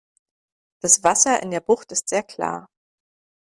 Das Wasser in der Bucht ist sehr klar.